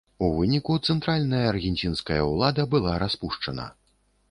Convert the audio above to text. У выніку цэнтральная аргенцінская ўлада была распушчана.